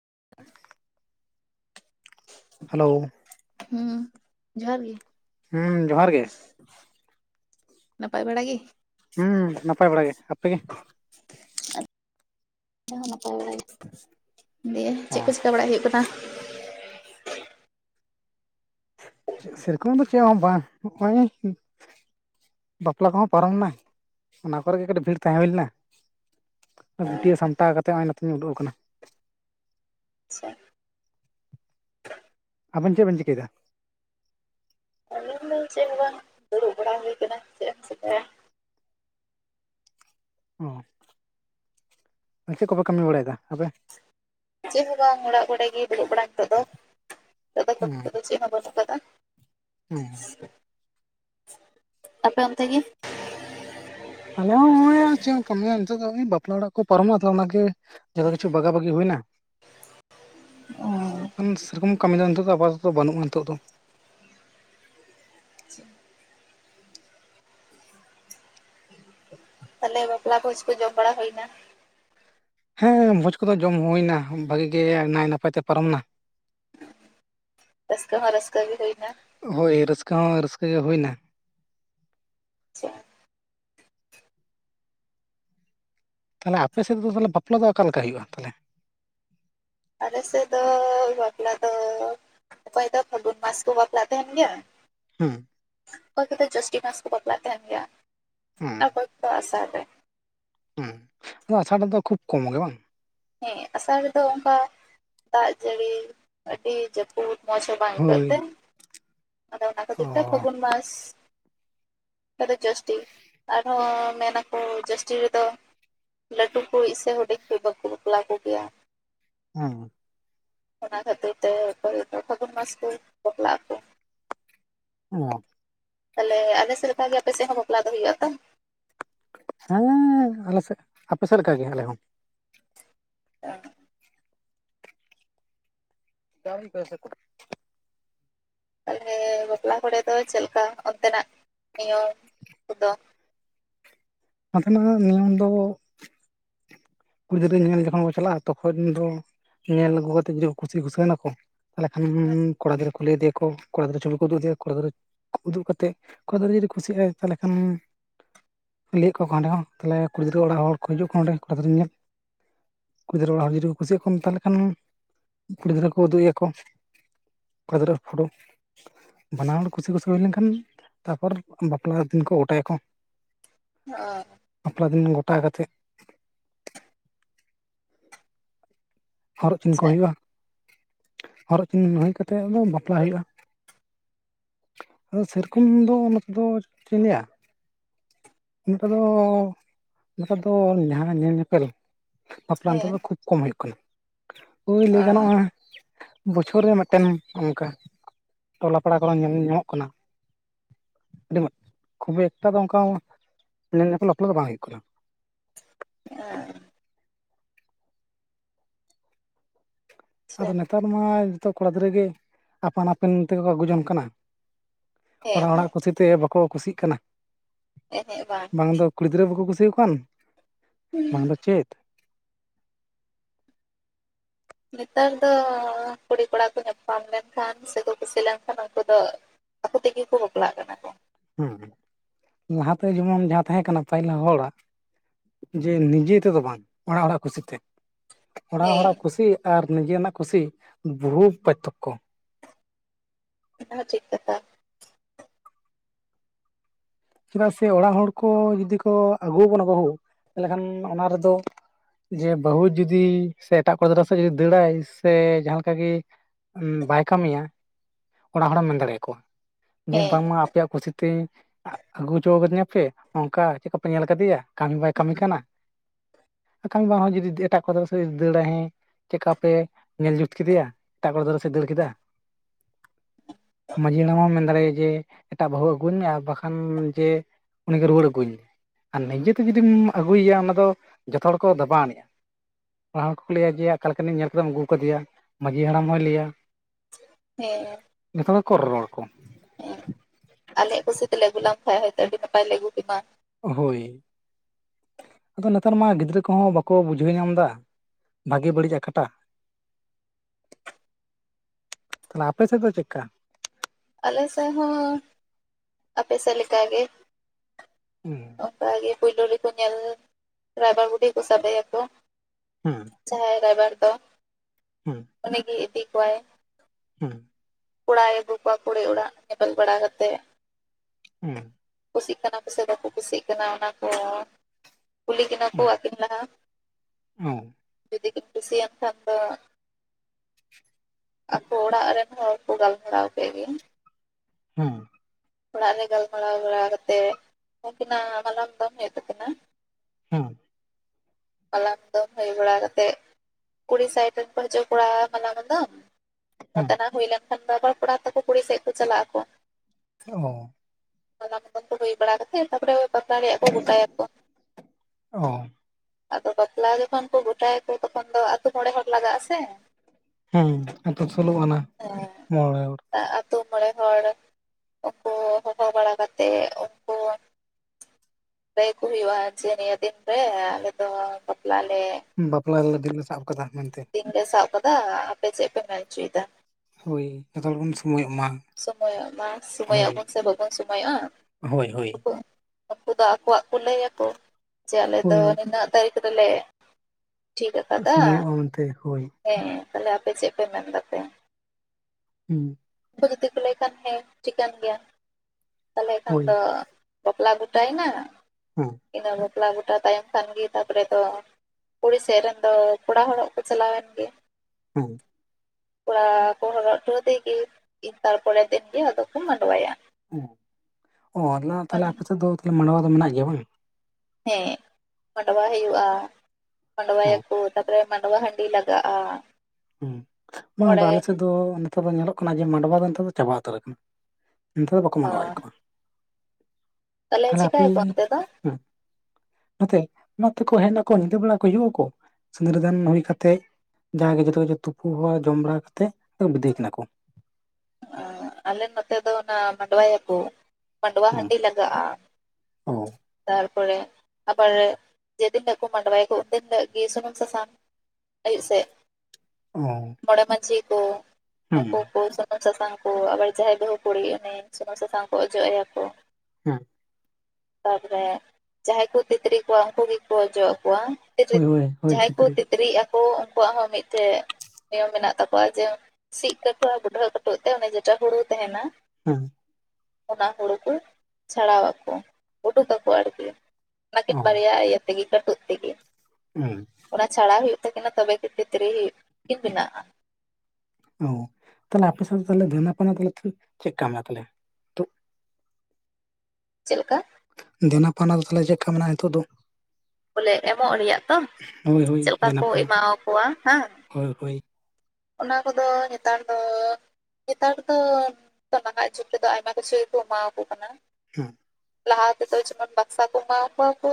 [inaudible] Hello. ᱦᱩᱸ ᱡᱚᱦᱟᱨ ᱜᱮ᱾ ᱦᱩᱸ ᱡᱚᱦᱟᱨ ᱜᱮ᱾ [inaudible] ᱱᱟᱯᱟᱭ ᱵᱟᱲᱟ ᱜᱮ᱾ ᱦᱩᱸ ᱱᱟᱯᱟᱭ ᱵᱟᱲᱟ ᱜᱮ ᱟᱯᱮ ᱜᱮ [unintelligible] ᱟᱞᱮ ᱦᱚᱸ ᱱᱟᱯᱟᱭ ᱵᱟ ᱜᱮ᱾ ᱫᱤᱭᱮ ᱚ ᱪᱮᱫ ᱠᱚ ᱪᱮᱠᱟ ᱵᱟᱲᱟᱭ ᱦᱩᱭᱩᱜ ᱠᱟᱱᱟ? ᱥᱮᱨᱚᱠᱚᱢ ᱫᱚ ᱪᱮᱫ ᱦᱚᱸ ᱵᱟᱝ ᱦᱚᱜᱼᱚᱭ ᱵᱟᱯᱞᱟ ᱠᱚᱦᱚᱸ ᱯᱟᱨᱚᱢ ᱮᱱᱟ ᱚᱱᱟ ᱠᱚᱨᱮ ᱜᱮ ᱠᱟᱴᱤᱡ ᱵᱷᱤᱲ ᱛᱟᱦᱮᱸ ᱦᱩᱭ ᱞᱮᱱᱟ᱾ ᱜᱩᱴᱤᱭᱟᱹᱣ ᱥᱟᱢᱴᱟᱣ ᱠᱟᱛᱮ ᱦᱚᱸᱜᱼᱚᱭ ᱱᱚᱛᱮᱧ ᱩᱰᱩᱜ ᱠᱟᱱᱟ᱾ ᱟᱪᱪᱷᱟ ᱟᱵᱮᱱ ᱪᱮᱫ ᱵᱤᱱ ᱪᱤᱠᱟᱹᱭ ᱫᱟ? ᱟᱹᱞᱤᱧ ᱫᱚ ᱪᱮᱫ ᱦᱚᱸ ᱵᱟᱝ ᱫᱩᱲᱩᱵ ᱵᱟᱲᱟ ᱦᱩᱭ ᱠᱟᱱᱟ ᱪᱮᱜ ᱮᱢ ᱪᱮᱠᱟᱭᱟ᱾ ᱚ ᱟᱨ ᱪᱮᱜ ᱠᱚᱯᱮ ᱠᱟᱢᱤ ᱵᱟᱲᱟᱭ ᱫᱟ ᱟᱯᱮ? ᱪᱮᱫ ᱦᱚᱸ ᱵᱟᱝ ᱚᱲᱟᱜ ᱠᱚᱨᱮ ᱜᱮ ᱫᱩᱲᱩᱵ ᱵᱟᱲᱟ ᱱᱤᱛᱚᱜ ᱫᱚ ᱱᱤᱛᱚᱜ ᱫᱚ ᱦᱮᱸ ᱠᱟᱢᱤ ᱠᱚᱫᱚ ᱪᱮᱫ ᱦᱚᱸ ᱵᱟᱹᱱᱩᱜ ᱠᱟᱫᱟ᱾ ᱦᱮᱸ ᱟᱯᱮ ᱚᱱᱛᱮ ᱜᱮ ᱟᱞᱮ ᱦᱚᱸ ᱦᱚᱜ-ᱚᱭ ᱪᱮᱫ ᱮᱢ ᱠᱟᱢᱤᱭᱟ ᱱᱤᱛᱚᱜ ᱫᱚ ᱦᱚᱜᱼᱚᱭ ᱵᱟᱯᱞᱟ ᱚᱲᱟᱜ ᱠᱚ ᱯᱟᱨᱚᱢᱚᱜ-ᱟ ᱟᱫᱚ ᱚᱱᱟ ᱜᱮ ᱡᱷᱚᱛᱚ ᱠᱤᱪᱷᱩ ᱵᱟᱜᱟ ᱵᱟᱜᱤ ᱦᱩᱭ ᱱᱟ᱾ ᱚᱸᱻ ᱥᱮ ᱨᱚᱠᱚᱢ ᱠᱟᱢᱤ ᱫᱚ ᱱᱤᱛᱚᱷ ᱫᱚ ᱟᱯᱟ ᱛᱚᱛᱚ ᱵᱟᱱᱩᱜᱼᱟ ᱱᱤᱛᱚᱜ ᱫᱚ᱾ ᱛᱟᱦᱚᱞᱮ ᱵᱟᱯᱞᱟ ᱵᱷᱚᱸᱡᱽ ᱠᱚ ᱡᱚᱢ ᱵᱟᱲᱟ ᱦᱳᱭ ᱱᱟ? ᱦᱮᱸ ᱵᱷᱚᱸᱡᱽ ᱠᱚ ᱫᱚ ᱡᱚᱢ ᱦᱩᱭ ᱱᱟ ᱵᱷᱟᱜᱤ ᱜᱮ ᱱᱟᱭ ᱱᱟᱯᱟᱭ ᱛᱮ ᱯᱟᱨᱚᱢ ᱱᱟ᱾ ᱨᱟᱹᱥᱠᱟᱹ ᱦᱚᱸ ᱨᱟᱹᱥᱠᱟᱹ ᱜᱮ ᱦᱳᱭ ᱱᱟ᱾ ᱦᱳᱭ ᱨᱟᱹᱥᱠᱟᱹ ᱦᱚᱸ ᱨᱟᱹᱥᱠᱟᱹ ᱜᱮ ᱦᱳᱭ ᱱᱟ᱾ ᱟᱪᱪᱷᱟ᱾ ᱛᱟᱦᱟᱞᱮ ᱟᱯᱮ ᱥᱮᱫ ᱫᱚ ᱛᱟᱦᱟᱞᱮ ᱵᱟᱯᱞᱟ ᱫᱚ ᱚᱠᱟᱞ ᱞᱮᱠᱟ ᱦᱳᱭᱳᱜᱼᱟ ᱛᱟᱦᱟᱞᱮ? ᱟᱞᱮ ᱥᱮᱫ ᱫᱚ ᱳᱭ ᱵᱟᱯᱞᱟ ᱫᱚ ᱚᱠᱚᱭ ᱫᱚ ᱯᱷᱟᱜᱩᱱ ᱢᱟᱥ ᱠᱚ ᱵᱟᱯᱞᱟᱜ ᱛᱟᱦᱮᱸᱱ ᱜᱮᱭᱟ᱾ ᱦᱩᱸ᱾ ᱚᱠᱚᱭ ᱠᱚ ᱫᱚ ᱡᱳᱥᱴᱤ ᱢᱟᱥ ᱠᱚ ᱵᱟᱯᱞᱟᱜ ᱛᱟᱦᱮᱱ ᱜᱮᱭᱟ᱾ ᱦᱩᱸ ᱟᱨ ᱚᱠᱚᱭ ᱠᱚ ᱫᱚ ᱟᱥᱟᱲ ᱨᱮ ᱾ ᱦᱩᱸ ᱟᱫᱚ ᱟᱥᱟᱲ ᱨᱮ ᱫᱚ ᱠᱷᱩᱵ ᱠᱚᱢ ᱜᱮ ᱵᱟᱝ? ᱦᱮᱸ ᱟᱥᱟᱲ ᱨᱮ ᱫᱚ ᱚᱱᱠᱟ ᱫᱟᱜ ᱡᱟᱹᱲᱤ ᱟᱹᱰᱤ ᱡᱟᱹᱯᱩᱫ ᱢᱚᱸᱡᱽ ᱦᱚᱸ ᱵᱟᱝ ᱟᱹᱭᱠᱟᱹᱜ ᱦᱳᱭ ᱛᱮ, ᱟᱫᱚ ᱚᱱᱟ ᱚ ᱠᱷᱟᱹᱛᱤᱨ ᱛᱮ ᱯᱷᱟᱜᱩᱱ ᱢᱟᱥ ᱟᱨ ᱦᱚᱸ ᱡᱟᱹᱥᱴᱤ ᱟᱨ ᱦᱚᱸ ᱢᱮᱱᱟ ᱠᱚ ᱡᱟᱹᱥᱴᱤ ᱨᱮ ᱫᱚ ᱞᱟᱹᱴᱩ ᱠᱩᱸᱭᱤᱡᱽ ᱥᱮ ᱦᱩᱰᱤᱧ ᱠᱩᱸᱭᱤᱡᱽ ᱵᱟᱠᱚ ᱵᱟᱯᱞᱟ ᱠᱚ ᱜᱮᱭᱟ᱾ ᱚᱻ ᱚᱱᱟ ᱠᱷᱟᱹᱛᱤᱨ ᱛᱮ ᱚᱠᱚᱭ ᱫᱚ ᱠᱚ ᱯᱷᱟᱜᱩᱱ ᱢᱟᱸᱥ ᱨᱮ ᱵᱟᱯᱞᱟᱜ ᱟᱠᱚ ᱾ [inaudible] ᱚᱻ ᱛᱟᱦᱚᱞᱮ ᱟᱞᱮ ᱥᱮᱫ ᱞᱮᱠᱟ ᱜᱮ ᱟᱯᱮ ᱥᱮᱫ ᱦᱚᱸ ᱵᱟᱯᱞᱟ ᱫᱚ ᱦᱩᱭᱩᱜᱼᱟ ᱛᱚ᱾ ᱦᱮᱸᱻ ᱟᱞᱮ ᱥᱮᱫ ᱟᱯᱮ ᱥᱮᱫ ᱞᱮᱠᱟ ᱜᱮ ᱟᱞᱮ ᱦᱚᱸ᱾ ᱚ ᱠᱟᱢᱤ ᱯᱚᱭᱥᱟ ᱠᱚ ᱛᱟᱦᱞᱮ ᱵᱟᱯᱞᱟ ᱠᱚ ᱨᱮ ᱫᱚ ᱪᱮᱫ ᱞᱮᱠᱟ ᱚᱱᱛᱮ ᱱᱟᱸᱜ ᱱᱤᱭᱚᱢ ᱠᱚ ᱫᱚ? ᱱᱚᱛᱮ ᱱᱟᱸᱜ ᱱᱤᱭᱚᱢ ᱫᱚ ᱠᱩᱲᱤ ᱜᱤᱫᱽᱨᱟᱹ ᱧᱮᱞ ᱡᱚ ᱠᱷᱚᱱ ᱠᱚ ᱪᱟᱞᱟᱜᱼᱟ ᱛᱚᱠᱷᱚᱱ ᱫᱚ ᱧᱮᱞ ᱟᱹᱜᱩ ᱠᱟᱛᱮ ᱡᱩᱫᱤ ᱠᱩᱥᱤ ᱠᱩᱥᱟᱹᱞ ᱱᱟᱠᱚ᱾ ᱛᱟᱦᱞᱮ ᱠᱷᱟᱱ ᱠᱚᱲᱟ ᱜᱤᱫᱽᱨᱟᱹ ᱠᱩᱞᱤ ᱠᱮᱫᱮ ᱭᱟᱠᱚ ᱠᱚᱲᱟ ᱜᱤᱫᱨᱟᱹ ᱪᱷᱩᱵᱤ ᱠᱚ ᱩᱫᱩᱜ ᱟᱫᱮᱭᱟ ᱠᱚᱲᱟ ᱜᱤᱫᱨᱟᱹ ᱩᱫᱩᱜ ᱠᱟᱛᱮᱫ ᱠᱚᱲᱟ ᱜᱤᱫᱽᱨᱟᱹ ᱡᱩᱫᱤ ᱠᱩᱥᱤᱜᱼᱟ᱾ ᱛᱟᱦᱞᱮ ᱠᱷᱟᱱ ᱞᱟᱹᱭ ᱮᱫ ᱠᱚᱣᱟ ᱠᱚ ᱦᱟᱸᱰᱮ ᱦᱚᱸ ᱛᱟᱦᱞᱮ ᱠᱩᱲᱤ ᱜᱤᱫᱽᱨᱟᱹ ᱚᱲᱟᱜ ᱦᱚᱲ ᱠᱚ ᱦᱤᱡᱩᱜ ᱟᱠᱚ ᱱᱚᱸᱰᱮ ᱠᱚᱲᱟ ᱜᱤᱫᱽᱨᱟᱹ ᱧᱮ ᱧᱮᱞ᱾ ᱠᱩᱲᱤ ᱜᱤᱫᱨᱟᱹ ᱚᱲᱟᱜ ᱦᱚᱲ ᱡᱩᱫᱤ ᱠᱚ ᱠᱩᱥᱤᱜ ᱠᱷᱟᱱ ᱛᱟᱞᱦᱮ ᱠᱷᱟᱱ ᱠᱩᱲᱤ ᱜᱤᱫᱽᱨᱟᱹ ᱠᱚ ᱩᱫᱩᱜ ᱮᱭᱟ ᱠᱚ᱾ ᱠᱚᱲᱟ ᱜᱤᱫᱽᱨᱟᱹᱣᱟᱜ ᱯᱷᱳᱴᱳ᱾ ᱵᱟᱱᱟ ᱦᱚᱲ ᱠᱩᱥᱤ ᱠᱩᱥᱟᱹᱞ ᱦᱩᱭ ᱞᱮᱱ ᱠᱷᱟᱱ ᱛᱟᱯᱚᱨ ᱵᱟᱯᱞᱟ ᱫᱤᱱ ᱠᱚ ᱜᱚᱴᱟ ᱭᱟᱠᱚ᱾ ᱚᱻᱻ ᱵᱟᱯᱞᱟ ᱫᱤᱱ ᱜᱚᱴᱟ ᱠᱟᱛᱮᱫ ᱦᱚᱨᱚᱜ ᱪᱤᱱ ᱠᱚ ᱦᱩᱭᱩᱜᱼᱟ᱾ ᱦᱚᱨᱚᱜ ᱪᱤᱱ ᱦᱳᱭ ᱠᱟ ᱛᱮ ᱫᱚ ᱵᱟᱯᱞᱟ ᱦᱩᱭᱩᱜᱼᱟ᱾ ᱟᱫᱚ ᱥᱮ ᱨᱚᱠᱚᱢ ᱫᱚ ᱚᱱᱟ ᱛᱮ ᱫᱚ ᱪᱮᱫ ᱤᱧ ᱞᱟᱹᱭ-ᱟ᱾ ᱱᱮᱛᱟᱨ ᱫᱚ ᱱᱮᱛᱟᱨ ᱫᱚ ᱡᱟᱸᱦᱟ ᱧᱮᱞ ᱧᱮ ᱯᱮᱞ? ᱵᱟᱯᱞᱟ ᱚᱱᱛᱮ ᱦᱮᱸ ᱫᱚ ᱠᱷᱩᱵ ᱠᱚᱢ ᱦᱩᱭᱩᱜ ᱠᱟᱱᱟ᱾ ᱳᱭ ᱞᱟᱹᱭ ᱟᱪᱪᱷᱟ ᱜᱟᱱᱚᱜᱼᱟ᱾ ᱵᱚᱪᱷᱚᱨ ᱨᱮ ᱢᱤᱫ ᱴᱮᱱ ᱚᱱᱠᱟ᱾ ᱴᱚᱞᱟ ᱯᱟᱲᱟ ᱠᱚᱨᱮ ᱧᱮᱞ ᱧᱟᱢᱚᱜ ᱠᱟᱱᱟ᱾ ᱟᱹᱰᱤ ᱢᱚᱡᱽ ᱠᱷᱩᱵᱤ ᱮᱠᱴᱟ ᱫᱚ ᱚᱱᱠᱟ ᱧᱮᱞ ᱧᱮᱯᱮᱞ ᱵᱟᱯᱞᱟ ᱫᱚ ᱵᱟᱝ ᱦᱩᱭᱩᱜ ᱠᱟᱱᱟ᱾ ᱮᱸ ᱟᱫᱚ ᱱᱮᱛᱟᱨ ᱢᱟ ᱡᱚᱛᱚ ᱠᱚᱲᱟ ᱜᱤᱫᱽᱨᱟᱹ ᱜᱮ ᱟᱯᱟᱱ ᱟᱹᱯᱤᱱ ᱛᱮᱜᱮ ᱠᱚ ᱟᱜᱩ ᱡᱚᱱ ᱠᱟᱱᱟ᱾ ᱚᱲᱟᱜ ᱦᱮᱸ ᱦᱚᱲᱟᱜ ᱠᱩᱥᱤ ᱛᱮ ᱵᱟᱠᱚ ᱠᱩᱥᱤᱜ ᱠᱟᱱᱟ᱾ ᱮᱸᱦᱮᱜ ᱵᱟᱝ ᱠᱩᱲᱤ ᱜᱤᱫᱽᱨᱟᱹ ᱵᱟᱠᱚ ᱠᱩᱥᱤᱣᱟᱠᱚ ᱠᱟᱱ ᱵᱟᱝ ᱫᱚ ᱪᱮᱫ᱾ ᱱᱮᱛᱟᱨ ᱫᱚ ᱠᱩᱲᱤ ᱠᱚᱲᱟ ᱠᱚ ᱧᱟᱯᱟᱢ ᱞᱮᱱᱠᱷᱟᱱ ᱥᱮᱠᱚ ᱠᱩᱥᱤ ᱞᱮᱱᱠᱷᱟᱱ ᱩᱱᱠᱩ ᱫᱚ᱾ ᱟᱠᱩ ᱛᱮᱜᱮ ᱠᱚ ᱵᱟᱯᱞᱟᱜ ᱠᱟᱱᱟ ᱠᱚ᱾ ᱦᱩᱸ ᱞᱟᱦᱟ ᱛᱮ ᱡᱮᱢᱚᱱ ᱡᱟᱦᱟᱸ ᱛᱟᱦᱮᱸ ᱠᱟᱱᱟ ᱯᱟᱹᱭᱞᱟᱹ ᱦᱚᱲᱟᱜ᱾ ᱡᱮ ᱱᱤᱡᱮ ᱛᱮᱫᱚ ᱵᱟᱝ ᱚᱲᱟᱜ ᱦᱚᱲᱟᱜ ᱠᱩᱥᱤ ᱛᱮ᱾ ᱚᱲᱟᱜ ᱦᱮᱸ ᱦᱚᱲᱟᱜ ᱠᱩᱥᱤ ᱟᱨ ᱱᱤᱡᱮ ᱨᱮᱱᱟᱜ ᱠᱩᱥᱤ ᱵᱚᱦᱩ ᱯᱟᱪᱛᱷᱚᱠᱠᱚ᱾ ᱚᱱᱟ ᱦᱚᱸ ᱴᱷᱤᱠ ᱠᱟᱛᱷᱟ᱾ ᱪᱮᱫᱟᱜ ᱥᱮ ᱚᱲᱟᱜ ᱦᱚᱲ ᱠᱚ ᱡᱩᱫᱤ ᱠᱚ ᱟᱹᱜᱩ ᱣᱟᱵᱚᱱᱟ ᱵᱟᱹᱦᱩ ᱛᱟᱦᱞᱮ ᱠᱷᱟᱱ ᱚᱱᱟ ᱨᱮᱫᱚᱼᱼ ᱡᱮ ᱵᱟᱹᱦᱩ ᱡᱩᱫᱤ ᱥᱮ ᱮᱴᱟᱜ ᱠᱚᱲᱟ ᱜᱤᱫᱽᱨᱟᱹ ᱥᱮᱫ ᱫᱟᱹᱲᱟᱭ ᱥᱮ ᱡᱟᱦᱟᱸ ᱞᱮᱠᱟ ᱜᱮᱼᱼ ᱵᱟᱭ ᱠᱟᱹᱢᱤᱭᱟ ᱚᱲᱟᱜ ᱦᱚᱲᱮᱢ ᱢᱮᱱ ᱫᱟᱲᱮᱣᱟᱠᱚᱣᱟ᱾ ᱡᱮ ᱦᱮᱸ ᱵᱟᱝ ᱢᱟ ᱟᱯᱮᱭᱟᱜ ᱠᱩᱥᱤ ᱛᱮᱧ ᱟᱹᱜᱩ ᱦᱚᱪᱚ ᱟᱠᱟᱫᱤᱧᱟ ᱯᱮ ᱚᱱᱠᱟ ᱪᱮᱫ ᱠᱟᱯᱮ ᱧᱮᱞ ᱟᱠᱟᱫᱤᱭᱟ᱾ ᱠᱟᱹᱢᱤ ᱵᱟᱭ ᱠᱟᱹᱢᱤ ᱠᱟᱱᱟ ᱠᱟᱹᱢᱤ ᱵᱟᱝ ᱦᱚ ᱡᱩᱫᱤ ᱮᱴᱟᱜ ᱠᱚᱫᱚ ᱥᱟᱣᱮ ᱫᱟᱹᱲᱟᱭ ᱦᱮᱸᱼᱼ ᱪᱮᱫ ᱠᱟᱯᱮ ᱧᱮᱞ ᱡᱩᱛ ᱠᱮᱫᱮᱭᱟ ᱮᱴᱟᱜ ᱠᱚᱲᱟ ᱜᱤᱫᱽᱨᱟᱹ ᱥᱮᱫ ᱫᱟᱹᱲ ᱠᱮᱫᱟ᱾ ᱢᱟᱺᱡᱷᱤ ᱦᱟᱲᱟᱢ ᱦᱚᱢ ᱢᱮᱱ ᱫᱟᱲᱮᱣᱟᱭᱟ ᱡᱮ ᱮᱴᱟᱜ ᱵᱟᱹᱦᱩ ᱟᱹᱜᱩᱭᱟᱹᱧ ᱢᱮ ᱟᱨ ᱵᱟᱠᱷ ᱠᱷᱟᱱ ᱡᱮ ᱩᱱᱤ ᱜᱮ ᱨᱩᱣᱟᱹᱲ ᱟᱹᱜᱩᱣᱟᱹᱧ ᱢᱮ᱾ ᱟᱨ ᱱᱤᱡᱮᱛᱮ ᱡᱩᱫᱤᱢ ᱟᱹᱜᱩᱭᱮᱭᱟ ᱚᱱᱟ ᱫᱚ ᱡᱚᱛᱚ ᱦᱚᱲ ᱠᱚ ᱫᱟᱵᱟᱣ ᱟᱱᱤᱡᱼᱟ᱾ ᱯᱟᱦᱟᱲ ᱦᱚᱲᱠᱚ ᱞᱟᱹᱭᱟ ᱡᱮ ᱟᱠᱟᱞᱟᱠᱟᱱᱤᱡ ᱧᱮᱞ ᱠᱟᱛᱮᱢ ᱟᱹᱜᱩ ᱟᱠᱟᱫᱮᱭᱟ ᱢᱟᱺᱡᱷᱤ ᱦᱟᱲᱟᱢ ᱦᱚᱭ ᱞᱟᱹᱭᱟᱼᱼ ᱦᱮᱸ ᱡᱚᱛᱚ ᱜᱮᱠᱚ ᱨᱚᱲ ᱠᱚ ᱦᱮᱸ ᱟᱞᱮᱜ ᱠᱩᱥᱤᱛᱮᱞᱮ ᱟᱹᱜᱩ ᱞᱟᱢ ᱠᱷᱟᱡᱽ ᱦᱚᱭᱛᱚ ᱟᱹᱰᱤ ᱱᱟᱯᱟᱭ ᱞᱮ ᱟᱹᱜᱩ ᱠᱮᱢᱟ᱾ ᱦᱳᱭ ᱟᱫᱚ ᱱᱮᱛᱟᱨ ᱢᱟ ᱜᱤᱫᱽᱨᱟᱹ ᱠᱚᱦᱚᱸ ᱵᱟᱠᱚ ᱵᱩᱡᱷᱟᱹᱣ ᱧᱟᱢ ᱫᱟ ᱵᱷᱟᱜᱮ ᱵᱟᱹᱲᱤᱡ ᱟᱠᱟᱴᱟᱜ᱾ [unintelligible] ᱛᱟᱦᱞᱮ ᱟᱯᱮ ᱥᱮ ᱫᱚ ᱪᱮᱫ ᱠᱟ? ᱟᱞᱮ ᱥᱮᱡᱽ ᱦᱚᱸ ᱟᱯᱮ ᱥᱮᱡᱽ ᱞᱮᱠᱟ ᱜᱮ ᱩᱸ ᱯᱩᱭᱞᱩ ᱨᱮᱠᱚ ᱧᱮᱞ ᱨᱟᱭᱵᱟᱨ ᱵᱩᱰᱷᱤ ᱠᱚ ᱥᱟᱵᱮᱭᱟ ᱠᱚ ᱦᱩᱸ ᱡᱟᱦᱟᱸᱭ ᱨᱟᱭᱵᱟᱨ ᱫᱚ ᱦᱩᱸ ᱩᱱᱤ ᱜᱮ ᱤᱫᱤ ᱠᱚᱣᱟᱭ ᱦᱩᱸ ᱠᱚᱲᱟᱭ ᱟᱹᱜᱩ ᱠᱚᱣᱟ ᱠᱩᱲᱤ ᱚᱲᱟᱜ ᱧᱮᱯᱮᱞ ᱵᱟᱲᱟ ᱠᱟᱛᱮ᱾ ᱦᱩᱸ ᱠᱩᱥᱤᱜ ᱠᱟᱱᱟ ᱯᱮᱥᱮ ᱵᱟᱠᱚ ᱠᱩᱥᱤᱜ ᱠᱟᱱᱟ ᱚᱱᱟ ᱠᱚ ᱠᱩᱞᱤ ᱠᱤᱱᱟ ᱠᱚ ᱟᱹᱠᱤᱱ ᱞᱟᱦᱟ᱾ ᱚᱸ ᱡᱩᱫᱤ ᱠᱚ ᱠᱩᱥᱤᱭᱟᱱ ᱠᱷᱟᱱ ᱫᱚ ᱟᱠᱚ ᱚᱲᱟᱜ ᱨᱮᱱ ᱦᱚᱲ᱾ ᱠᱚ ᱜᱟᱞᱢᱟᱲᱟᱣ ᱠᱮᱜ ᱜᱮ ᱦᱩᱸ ᱚᱲᱟᱜ ᱨᱮ ᱜᱟᱞᱢᱟᱨᱟᱣ ᱵᱟᱲᱟ ᱠᱟᱛᱮᱜ ᱩᱱᱠᱤᱱᱟᱜ ᱢᱟᱞᱟᱢ ᱛᱚᱢ ᱦᱩᱭᱩᱜ ᱛᱟᱠᱤᱱᱟ ᱦᱩᱸ ᱢᱟᱞᱟ ᱢᱩᱫᱟᱹᱢ ᱦᱩᱭ ᱵᱟᱲᱟ ᱠᱟᱛᱮ ᱠᱩᱲᱤ ᱥᱟᱭᱤᱰ ᱨᱮᱱ ᱠᱚ ᱦᱤᱡᱩᱜ ᱠᱚᱲᱟ ᱢᱟᱞᱟ ᱢᱩᱫᱟᱹᱢ ᱦᱩᱸ ᱱᱚᱛᱮᱱᱟᱜ ᱦᱩᱭ ᱞᱮᱱᱠᱷᱟᱱ ᱫᱚ ᱟᱵᱟᱨ ᱠᱚᱲᱟ ᱛᱟᱠᱚ ᱠᱩᱲᱤ ᱥᱮᱫ ᱠᱚ ᱪᱟᱞᱟᱜ ᱟᱠᱚ᱾ ᱚᱸ ᱚᱱᱟ ᱠᱚ ᱦᱩᱭ ᱵᱟᱲᱟ ᱠᱟᱛᱮᱫ ᱛᱟᱯᱚᱨᱮ ᱵᱟᱯᱞᱟ ᱨᱮᱭᱟᱜ ᱠᱚ ᱜᱚᱴᱟᱭᱟ ᱠᱚ᱾ ᱚ ᱟᱫᱚ ᱵᱟᱯᱞᱟ ᱡᱚᱠᱷᱚᱱ ᱠᱚ ᱜᱚᱴᱟᱭᱟᱠᱚ ᱛᱚᱠᱷᱚᱱ ᱫᱚ ᱟᱛᱳ ᱢᱚᱬᱮ ᱦᱚᱲ ᱞᱟᱜᱟᱜᱼᱟ ᱥᱮ ᱦᱩᱸ ᱟᱛᱳ ᱥᱳᱞᱩᱜ ᱟᱱᱟ ᱢᱚᱬᱮ ᱦᱚᱲ ᱟᱛᱩ ᱢᱚᱬᱮ ᱦᱚᱲ ᱚᱠᱚ ᱦᱚᱦᱚ ᱵᱟᱲᱟ ᱠᱟᱛᱮᱜ ᱩᱱᱠᱩ ᱞᱟᱹᱭ ᱟᱠᱩ ᱦᱩᱭᱩᱜᱼᱟ ᱡᱮ ᱱᱤᱭᱟᱹ ᱫᱤᱱ ᱨᱮ ᱟᱞᱮ ᱫᱚ ᱵᱟᱯᱞᱟᱜ ᱟᱞᱮ᱾ ᱩᱢ ᱵᱟᱯᱞᱟᱜᱞᱮ ᱫᱤᱱ ᱞᱮ ᱥᱟᱵ ᱠᱟᱫᱟ ᱢᱮᱱᱛᱮ ᱫᱤᱱ ᱞᱮ ᱥᱟᱵ ᱠᱟᱫᱟ ᱟᱯᱮ ᱪᱮᱫ ᱯᱮ ᱢᱮᱱ ᱦᱚᱪᱚᱭᱮᱫᱟ ᱦᱳᱭ ᱡᱚᱛᱚ ᱦᱚᱲ ᱵᱚᱱ ᱥᱳᱢᱚᱭᱚᱜ ᱢᱟ ᱥᱚᱢᱚᱭᱚᱜ ᱢᱟ ᱥᱚᱢᱚᱭᱟᱜ ᱦᱳᱭ ᱵᱚᱱ ᱥᱮ ᱵᱟᱵᱚᱱ ᱥᱚᱢᱚᱭᱚᱜ-ᱟ ᱦᱳᱭ ᱦᱳᱭ [inaudible] ᱟᱠᱩ ᱫᱚ ᱟᱠᱚᱣᱟᱜ ᱠᱚ ᱞᱟᱹᱭ ᱟᱠᱚ ᱡᱮ ᱟᱞᱮ ᱦᱳᱭ ᱱᱤᱱᱟᱹᱜ ᱛᱟᱹᱨᱤᱠᱷ ᱨᱮᱞᱮ ᱴᱷᱤᱠ ᱟᱠᱟᱫᱟ ᱥᱚᱢᱚᱭᱚᱜᱼᱟ ᱢᱮᱱᱛᱮ ᱦᱳᱭ ᱦᱮᱸ ᱛᱟᱞᱦᱮ ᱟᱯᱮ ᱪᱮᱫ ᱯᱮ ᱢᱮᱱᱫᱟᱯᱮ ᱦᱩᱸ ᱩᱱᱠᱩ ᱡᱩᱫᱤ ᱠᱚ ᱞᱟᱹᱭ ᱠᱷᱟᱱ ᱦᱮᱸ ᱴᱷᱤᱠᱟᱹᱱ ᱜᱮᱭᱟ ᱛᱟᱦᱚᱞᱮ ᱠᱷᱟᱱ ᱦᱳᱭ ᱫᱚ ᱵᱟᱯᱞᱟ ᱜᱚᱴᱟᱭᱮᱱᱟ ᱦᱮᱸ ᱤᱱᱟᱹ ᱵᱟᱯᱞᱟ ᱜᱚᱴᱟ ᱛᱟᱭᱚᱢ ᱠᱷᱟᱱᱜᱮ ᱛᱟᱯᱚᱨᱮ ᱫᱚ ᱠᱩᱲᱤ ᱥᱮᱫ ᱨᱮᱱ ᱫᱚ ᱠᱚᱲᱟ ᱦᱚᱲᱚᱜ ᱠᱚ ᱪᱟᱞᱟᱣ ᱮᱱ ᱜᱮ ᱦᱩᱸ ᱠᱚᱲᱟ ᱠᱚ ᱦᱚᱨᱚᱜ ᱦᱚᱴᱚ ᱟᱫᱮ ᱜᱮ ᱴᱷᱤᱠ ᱛᱟᱨᱯᱚᱨᱮᱨ ᱫᱤᱱ ᱜᱮ ᱟᱫᱚ ᱠᱚ ᱢᱟᱸᱰᱣᱟᱭᱟ ᱚᱸ ᱚᱞᱟ ᱛᱟᱦᱚᱞᱮ ᱟᱯᱮ ᱥᱮᱫ ᱫᱚ ᱢᱟᱰᱣᱟ ᱫᱚ ᱢᱮᱱᱟᱜ ᱜᱮᱭᱟ ᱵᱟᱝ ᱦᱮᱸ ᱢᱟᱸᱰᱣᱟ ᱦᱩᱭᱩᱜ-ᱟ ᱚ ᱢᱟᱸᱰᱣᱟᱭ ᱟᱠᱚ ᱛᱟᱯᱚᱨᱮ ᱢᱟᱰᱣᱟ ᱦᱟᱹᱰᱤ ᱞᱟᱜ-ᱟ ᱦᱩᱸ ᱵᱟᱝ ᱟᱞᱮ ᱥᱮᱫ ᱫᱚ ᱱᱮᱛᱟᱨ ᱫᱚ ᱧᱮᱞᱚᱜ ᱠᱟᱱᱟ ᱡᱮ ᱢᱟᱰᱣᱟ ᱫᱚ ᱱᱮᱛᱟᱨ ᱫᱚ ᱪᱟᱵᱟ ᱩᱛᱟᱹᱨ ᱠᱟᱱᱟ᱾ ᱱᱮᱛᱟᱨ ᱫᱚ ᱵᱟᱠᱚ ᱢᱟᱰᱣᱟᱭᱮᱫ ᱠᱚᱣᱟ ᱛᱟᱞᱮ ᱛᱟᱦᱚᱞᱮ ᱪᱤᱠᱟᱹᱭ ᱟᱠᱚᱱᱛᱮ ᱫᱚ ᱱᱟᱛᱮ ᱱᱟᱛᱮᱠᱚ ᱦᱮᱡ ᱱᱟᱠᱚ ᱧᱤᱫᱟᱹ ᱵᱮᱲᱟ ᱠᱚ ᱦᱤᱡᱩᱜ ᱟᱠᱚ ᱥᱤᱫᱽᱨᱟᱹ ᱫᱟᱱ ᱦᱩᱭ ᱠᱟᱛᱮᱫ ᱡᱟᱣᱟᱭ ᱜᱤᱫᱽᱨᱟᱹ [unintelligible] ᱛᱩᱯᱩ [unintelligible] ᱡᱚᱢ ᱵᱟᱲᱟ ᱠᱟᱛᱮᱜ ᱟᱫᱚ ᱵᱤᱫᱟᱹᱭ ᱠᱟᱱᱟ ᱠᱚ᱾ ᱟᱸ ᱟᱞᱮ ᱱᱚᱛᱮ ᱫᱚ ᱚᱱᱟ ᱢᱟᱰᱣᱟᱭᱟᱠᱚ ᱢᱟᱰᱣᱟ ᱦᱮᱸ ᱦᱟᱺᱰᱤ ᱞᱟᱜᱟᱜ-ᱟ᱾ ᱛᱟᱨ-ᱯᱚᱨᱮ ᱟᱵᱟᱨᱻ ᱡᱮᱫᱤᱱ ᱦᱤᱞᱳᱜ ᱠᱚ ᱢᱟᱰᱣᱟᱭᱟᱠᱚ ᱩᱱ ᱫᱤᱱ ᱦᱤᱞᱳᱜ ᱜᱮ ᱥᱩᱱᱩᱢ ᱥᱟᱥᱟᱝ ᱟᱹᱭᱩᱵ ᱥᱮᱜ ᱦᱮᱸ᱾ ᱢᱚᱸᱬᱮ ᱢᱟᱹᱡᱷᱤ ᱠᱚ ᱩᱱᱠᱩ ᱠᱚ ᱥᱟᱶ [unintelligible] ᱥᱟᱥᱟᱝ ᱠᱚ ᱟᱵᱟᱨ ᱡᱟᱦᱟᱸᱭ ᱵᱟᱦᱩ ᱠᱩᱲᱤ ᱩᱱᱤ ᱥᱩᱱᱩᱢ ᱥᱟᱥᱟᱝ ᱠᱚ ᱚᱡᱚᱜ ᱟᱭᱟ ᱠᱚ ᱦᱮᱸ᱾ ᱛᱟᱯᱚᱨᱮ ᱡᱟᱦᱟᱸᱭ ᱠᱚ ᱛᱤᱛᱨᱤ ᱠᱚᱣᱟ ᱩᱱᱠᱩ ᱜᱮᱠᱚ ᱚᱡᱚᱜ ᱟᱠᱚᱣᱟ᱾ [unintelligible] ᱦᱳᱭ, ᱦᱳᱭ, ᱦᱳᱭ ᱡᱟᱦᱟᱸᱭ ᱠᱚ ᱪᱤᱛᱨᱤ ᱛᱤᱛᱨᱤᱜ-ᱟ ᱳ ᱩᱱᱠᱩᱣᱟᱜ ᱦᱚᱸ ᱢᱤᱫᱴᱮᱡ ᱱᱤᱭᱚᱢ ᱢᱮᱱᱟᱜ ᱛᱟᱠᱚᱣᱟ ᱡᱮ ᱥᱤᱵᱽ ᱠᱟᱹᱴᱩᱵ ᱵᱩᱰᱦᱟᱹ ᱠᱟᱹᱴ [unintelligible] ᱚᱱᱮ ᱡᱮᱴᱟ ᱦᱩᱲᱩ ᱛᱟᱦᱮᱸᱱᱟ ᱦᱮᱸ᱾ ᱚᱱᱟ ᱦᱩᱲᱩ ᱠᱚ ᱪᱷᱟᱲᱟᱣ ᱟᱠᱚ ᱩᱰᱩᱠ ᱟᱠᱚ ᱟᱨᱠᱤ᱾ ᱚᱱᱟᱠᱤᱱ ᱚ, ᱵᱟᱨᱭᱟ ᱤᱭᱟᱹ ᱛᱮᱜᱮ ᱠᱟᱹᱴᱩᱵ ᱛᱮᱜᱮ᱾ ᱩᱸ᱾ ᱚᱱᱟ ᱪᱷᱟᱲᱟᱣ ᱦᱳᱭᱩᱜ ᱛᱟᱹᱠᱤᱱᱟ ᱛᱚᱵᱮ ᱜᱮ ᱛᱤᱛᱨᱤ ᱦᱩᱭᱩᱜ [unintelligible] ᱠᱤᱱ ᱵᱮᱱᱟᱜ-ᱟ᱾ ᱚ ᱛᱟᱦᱚᱞᱮ ᱟᱯᱮᱥᱮᱱ ᱫᱚ ᱫᱮᱱᱟ-ᱯᱟᱣᱱᱟ ᱛᱟᱦᱚᱞᱮ ᱛᱤᱱᱟᱹᱜ ᱪᱮᱜᱠᱟ ᱢᱮᱱᱟᱜ-ᱟ ᱛᱟᱦᱚᱞᱮ? ᱪᱮᱞᱠᱟ? ᱫᱮᱱᱟ ᱯᱟᱣᱱᱟ ᱫᱚ ᱛᱟᱦᱚᱞᱮ ᱪᱮᱜᱠᱟ ᱢᱮᱱᱟᱜ-ᱟ ᱱᱤᱛᱚᱜ ᱫᱚ? ᱵᱚᱞᱮ ᱮᱢᱚᱜ ᱨᱮᱭᱟᱜ ᱛᱚ ᱦᱳᱭ, ᱪᱮᱞᱠᱟ ᱠᱚ ᱮᱢᱟᱠᱚᱣᱟ ᱦᱟᱸᱝ᱾ ᱦᱚᱭ ᱦᱳᱭ᱾ ᱚᱱᱟ ᱠᱚᱫᱚ ᱧᱮᱛᱟᱨ ᱫᱚ ᱱᱮᱛᱟᱨ ᱫᱚ ᱱᱟᱦᱟᱸᱜ ᱡᱩᱜᱽ ᱨᱮᱫᱚ ᱟᱭᱢᱟ ᱠᱤᱪᱷᱩ ᱜᱮᱠᱚ ᱮᱢᱟᱣᱟᱠᱚ ᱠᱟᱱᱟ᱾ ᱦᱮᱸ, ᱞᱟᱦᱟ ᱛᱮᱫᱚ ᱡᱮᱢᱚᱱ ᱵᱟᱠᱥᱟ ᱠᱚ ᱮᱢᱟᱣ ᱟᱠᱚᱣᱟ ᱠᱚ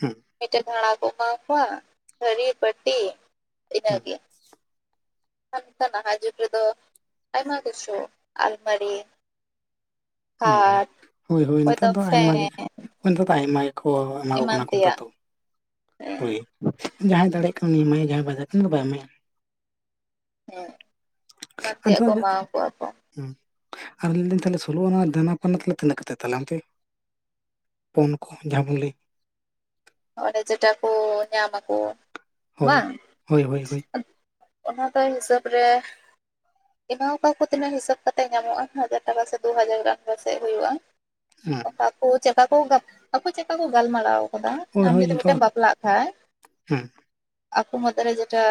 ᱦᱮᱸ, ᱢᱤᱫᱴᱮᱱ ᱵᱷᱮᱲᱟ ᱠᱚ ᱮᱢᱟᱣ ᱠᱚᱣᱟ ᱛᱷᱟᱹᱨᱤ, ᱵᱟᱹᱴᱤ ᱤᱱᱟᱹ ᱦᱮᱸ, ᱜᱮ᱾ ᱟᱨ ᱱᱮᱛᱟᱨ ᱱᱟᱦᱟᱸᱜ ᱡᱩᱜᱽ ᱨᱮᱫᱚ ᱟᱭᱢᱟ ᱠᱤᱪᱷᱩ ᱟᱞᱢᱟᱨᱤ, ᱦᱩᱸ ᱠᱷᱟᱴ ᱦᱳᱭ ᱦᱳᱭ ᱚᱠᱚᱭ ᱱᱮᱛᱟᱨ ᱫᱚ ᱟᱭᱢᱟ ᱜᱮ, ᱯᱷᱮᱱ ᱦᱳᱭ ᱱᱮᱛᱟᱨ ᱫᱚ ᱟᱭᱢᱟ ᱜᱮᱠᱚ ᱮᱢᱟ ᱠᱚ ᱮᱢᱟᱱ ᱠᱟᱱᱟ ᱠᱚ ᱱᱮᱛᱟᱨ ᱛᱮᱭᱟᱜ ᱫᱚ᱾ ᱦᱳᱭ ᱡᱟᱦᱟᱸᱭ ᱫᱟᱲᱮᱭᱟᱜ ᱠᱟᱱ ᱩᱱᱤ ᱮᱢᱟᱭ ᱡᱟᱦᱟᱸᱭ ᱵᱟᱭ ᱫᱟᱲᱭᱟᱜ ᱠᱟᱱᱟ ᱩᱱᱤ ᱫᱚ ᱵᱟᱭ ᱮᱢᱟᱭᱟ᱾ ᱦᱮᱸ ᱮᱢᱟᱱ ᱟᱨ ᱛᱮᱭᱟᱜ ᱱᱮᱛᱟᱨ ᱠᱚ ᱫᱚ ᱮᱢᱟᱣ ᱠᱚᱣᱟ᱾ ᱠᱚ ᱦᱩᱸ ᱟᱨ ᱞᱟᱹᱭᱫᱟᱹᱧ ᱛᱟᱦᱚᱞᱮ ᱥᱚᱞᱳ ᱟᱱᱟ ᱫᱮᱱᱟ ᱯᱟᱣᱱᱟ ᱛᱟᱦᱚᱞᱮ ᱛᱤᱱᱟᱹᱜ ᱠᱟᱛᱮᱜ ᱛᱟᱦᱚᱞᱮ ᱚᱱᱛᱮ? ᱯᱚᱱ ᱠᱚ ᱡᱟᱦᱟᱸ ᱵᱚᱱ ᱞᱟᱹᱭ ᱚᱱᱮ ᱡᱮᱴᱟ ᱠᱚ ᱧᱟᱢᱟᱠᱚ ᱦᱳᱭ, ᱵᱟᱝ ᱦᱳᱭ, ᱦᱳᱭ, ᱦᱳᱭ, ᱚᱱᱟ ᱫᱚ ᱦᱤᱥᱟᱹᱵᱽ ᱨᱮ ᱮᱢᱟᱣ ᱠᱚᱣᱟ ᱠᱚ ᱛᱤᱱᱟᱹᱜ ᱦᱤᱥᱟᱹᱵᱽ ᱠᱟᱛᱮ ᱧᱟᱢᱚᱜ-ᱟ ᱦᱟᱡᱟᱨ ᱴᱟᱠᱟ ᱥᱮ ᱫᱩ ᱦᱟᱡᱟᱨ ᱜᱟᱱ ᱯᱟᱥᱮᱡ ᱦᱩᱭᱩᱜ-ᱟ᱾ ᱦᱩᱸ. ᱚᱠᱟ ᱠᱚ ᱪᱮᱜᱠᱟ ᱠᱚ ᱜᱟ ᱟᱠᱚ ᱪᱮᱜᱠᱟ ᱠᱚ ᱜᱟᱞᱢᱟᱨᱟᱣ ᱠᱟᱫᱟ᱾ ᱦᱳᱭ, ᱟᱢ ᱦᱳᱭ ᱡᱩᱫᱤ ᱡᱚᱛᱚ ᱢᱤᱫᱴᱮᱱ ᱵᱟᱯᱞᱟᱜ ᱠᱷᱟᱡ ᱦᱩᱸ ᱟᱠᱚ ᱢᱩᱫᱽᱨᱮ ᱡᱮᱴᱟ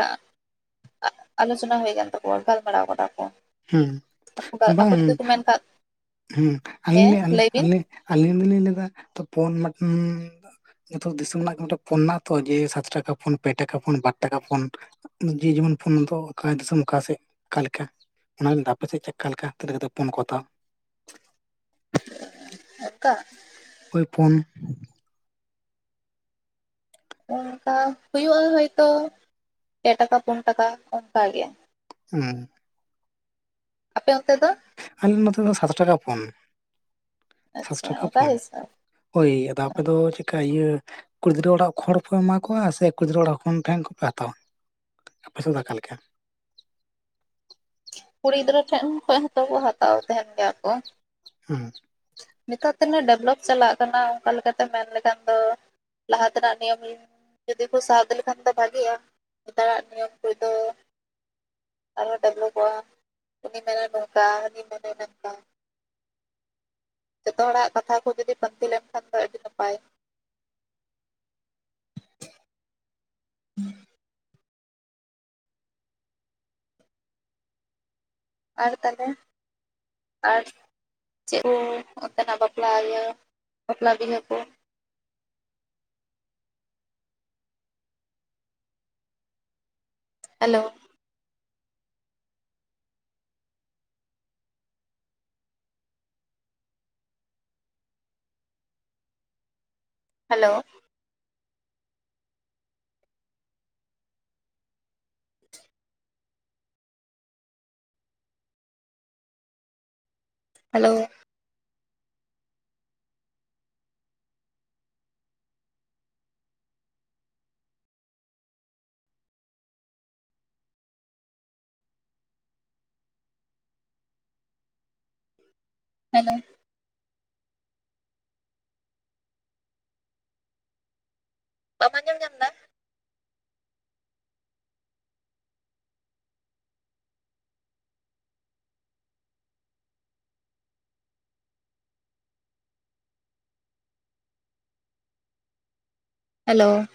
ᱟ ᱟᱞᱳᱪᱚᱱᱟ ᱦᱩᱭ ᱠᱟᱱ ᱛᱟᱠᱚᱣᱟ ᱜᱟᱞᱢᱟᱨᱟᱣ ᱠᱟᱫᱟ ᱠᱚ᱾ ᱦᱩᱸ ᱟᱠᱚ ᱟᱠᱚ ᱵᱟᱝ ᱡᱩᱫᱤ ᱠᱚ ᱢᱮᱱ ᱠᱷᱟᱱ ᱦᱩᱸ ᱟᱞᱤᱧ ᱦᱮᱸ ᱞᱤᱧ ᱞᱟᱹᱭᱟ ᱞᱟᱹᱭ ᱵᱤᱱ ᱟᱞᱮ-ᱟᱞᱮ ᱟᱞᱤᱧ ᱫᱚᱞᱤᱧ ᱞᱟᱹᱭᱫᱟ ᱛᱚ ᱯᱚᱱ ᱢᱮᱫᱴᱮᱱ ᱡᱚᱛᱷᱚ ᱫᱤᱥᱚᱢ ᱨᱮᱱᱟᱜ ᱜᱮ ᱢᱤᱫᱴᱮᱜ ᱯᱚᱱ ᱢᱮᱱᱟᱜ ᱛᱚ ᱡᱮ ᱥᱟᱛ ᱴᱟᱠᱟ ᱯᱚᱱ, ᱯᱮ ᱴᱟᱠᱟ ᱯᱚᱱ, ᱵᱟᱴ ᱴᱟᱠᱟ ᱯᱚᱱ᱾ ᱡᱮ ᱡᱮᱢᱚᱱ ᱯᱚᱱ ᱫᱚ ᱚᱠᱟ ᱫᱤᱥᱚᱢ ᱚᱠᱟ ᱥᱮᱜ ᱚᱠᱟᱞᱮᱠᱟ? ᱚᱱᱟᱜᱮ ᱫᱷᱟᱯᱮ ᱥᱮᱜ ᱪᱮᱜᱠᱟ ᱞᱮᱠᱟ ᱛᱤᱱᱟᱹᱜ ᱠᱟᱛᱮᱜ ᱯᱚᱱ ᱠᱚ ᱦᱟᱛᱟᱣᱟ? ᱚᱱᱠᱟ ᱳᱭ ᱯᱚᱱ ᱚᱱᱠᱟ ᱦᱩᱭᱩᱜ-ᱟ ᱦᱚᱭᱛᱚ ᱯᱮ ᱴᱟᱠᱟ ᱯᱩᱱ ᱴᱟᱠᱟ ᱚᱝᱠᱟ ᱜᱮ᱾ ᱦᱩᱸ, ᱟᱯᱮ ᱚᱱᱛᱮ ᱫᱚ? ᱟᱞᱮ ᱱᱚᱛᱮ ᱫᱚ ᱥᱟᱛ ᱴᱟᱠᱟ ᱯᱚᱱ ᱥᱟᱛ ᱟᱪᱪᱷᱟ ᱴᱟᱠᱟ ᱚᱱᱠᱟ ᱯᱚᱱ᱾ ᱦᱤᱥᱟᱹᱵ ᱦᱚᱭ ᱟᱫᱚ ᱟᱯᱮ ᱫᱚ ᱪᱮᱫᱠᱟ ᱤᱭᱟᱹ ᱠᱩᱫᱽᱨᱟᱹ ᱚᱲᱟᱜ ᱠᱷᱚᱱ ᱯᱮ ᱮᱢᱟ ᱠᱚᱣᱟ ᱥᱮ ᱠᱩᱫᱽᱨᱟᱹ ᱚᱲᱟᱜ ᱠᱷᱚᱱ ᱴᱷᱮᱱ ᱠᱚᱯᱮ ᱦᱟᱛᱟᱣᱟ? ᱟᱯᱮ ᱥᱮᱫ ᱫᱚ ᱚᱠᱟ ᱞᱮᱠᱟ? ᱠᱩᱲᱤ ᱜᱤᱫᱽᱨᱟᱹ ᱴᱷᱮᱱ ᱠᱷᱚᱡ ᱦᱚᱸᱠᱚ ᱠᱚ ᱦᱟᱛᱟᱣ ᱛᱟᱦᱮᱱ ᱜᱮᱭᱟ ᱠᱚ᱾ ᱦᱩᱸ, ᱱᱮᱛᱟᱨ ᱛᱤᱱᱟᱹᱜ ᱰᱮᱵᱷᱞᱚᱯ ᱪᱟᱞᱟᱜ ᱠᱟᱱᱟ ᱚᱱᱠᱟ ᱞᱮᱠᱟᱛᱮ ᱢᱮᱱ ᱞᱮᱠᱷᱟᱱ ᱫᱚ ᱞᱟᱦᱟ ᱛᱮᱱᱟᱜ ᱱᱤᱭᱚᱢ ᱡᱩᱫᱤ ᱠᱩ ᱥᱟᱵ ᱤᱫᱤ ᱞᱮᱠᱷᱟᱱ ᱫᱚ ᱵᱷᱟᱜᱤᱜ-ᱟ᱾ ᱱᱮᱛᱟᱨᱟᱜ ᱱᱤᱭᱚᱢ ᱠᱚᱫᱚ ᱟᱨᱦᱚᱸ ᱰᱮᱵᱷᱞᱚᱯᱚᱜ-ᱟ᱾ ᱩᱱᱤ ᱢᱮᱱᱟᱭ ᱱᱚᱝᱠᱟ ᱦᱟᱹᱱᱤ ᱢᱮᱱᱟᱭ ᱱᱟᱝᱠᱟ, ᱡᱚᱛᱚ ᱦᱚᱲᱟᱜ ᱠᱟᱛᱷᱟ ᱠᱚ ᱡᱩᱫᱤ ᱯᱟᱱᱛᱮ ᱞᱮᱱᱠᱷᱟᱱ ᱫᱚ ᱟᱹᱰᱤ ᱱᱟᱯᱟᱭ᱾ ᱟᱨ ᱛᱟᱦᱚᱞᱮ, ᱟᱨ ᱪᱮᱫ ᱠᱚ ᱚᱱᱛᱮᱱᱟᱜ ᱵᱟᱯᱞᱟ ᱤᱭᱟᱹ ᱵᱟᱯᱞᱟ ᱵᱤᱦᱟᱹ ᱠᱚ᱾ ᱦᱮᱞᱳ, ᱦᱮᱞᱳ, ᱦᱮᱞᱳ, ᱦᱮᱞᱳ, ᱵᱟᱢ ᱟᱸᱡᱚᱢ ᱧᱟᱢ ᱫᱟ? ᱦᱮᱞᱳ,